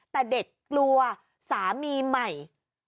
แต่เด็กกลัวสามีใหม่